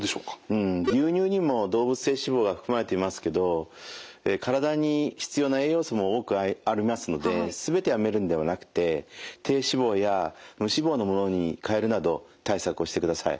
うん牛乳にも動物性脂肪が含まれていますけど体に必要な栄養素も多くありますので全てやめるのではなくて低脂肪や無脂肪のものにかえるなど対策をしてください。